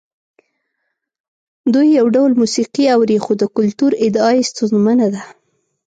دوی یو ډول موسیقي اوري خو د کلتور ادعا یې ستونزمنه ده.